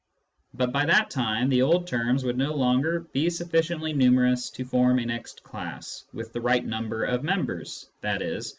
But by that time the old terms would no longer be sufficiently numerous to form a next class with the right number of members, i.e.